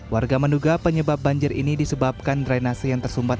warga menduga penyebab banjir ini disebabkan drainase yang tersumbat